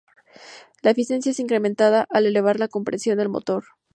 La eficiencia es incrementada al elevar la compresión del motor.